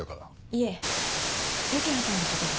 いえ幸葉さんのことで。